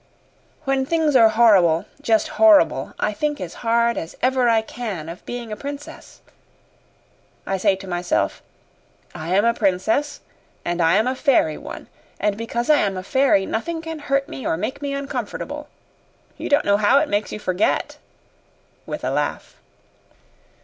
When things are horrible just horrible I think as hard as ever I can of being a princess. I say to myself, 'I am a princess, and I am a fairy one, and because I am a fairy nothing can hurt me or make me uncomfortable.' You don't know how it makes you forget" with a laugh.